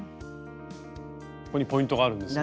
ここにポイントがあるんですね？